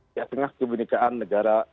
di tengah kebenikan negara